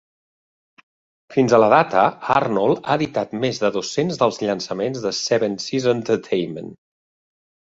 Fins a la data, Arnold ha editat més de dos-cents dels llançaments de Seven Seas Entertainment.